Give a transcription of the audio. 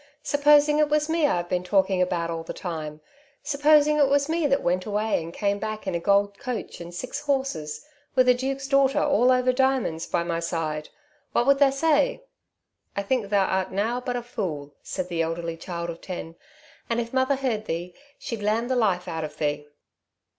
Supposing it was me I've been talking about all the time? Supposing it was me that went away and came back in a gold coach and six horses, with a duke's daughter all over diamonds by my side, what would tha say?" "I think tha art nowt but a fool," said the elderly child of ten, "and, if mother heard thee, she'd lamm the life out of thee."